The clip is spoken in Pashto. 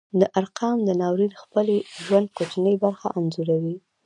دا ارقام د ناورین ځپلي ژوند کوچنۍ برخه انځوروي.